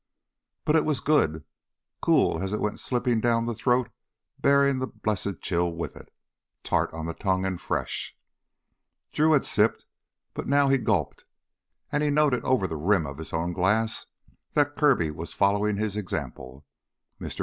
But it was good cool as it went slipping down the throat bearing that blessed chill with it, tart on the tongue, and fresh. Drew had sipped, but now he gulped, and he noted over the rim of his own glass, that Kirby was following his example. Mr.